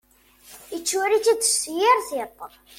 Yettwali-tt-id s yir tiṭ.